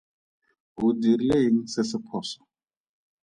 O dirile eng se se phoso?